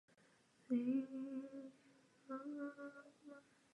Její největší předností byla kombinace rychlosti a síly.